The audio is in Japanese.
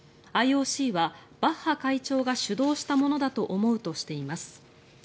ＩＯＣはバッハ会長が主導したものだと思うとしています。